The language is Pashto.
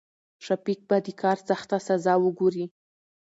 شفيق به په د کار سخته سزا وګوري.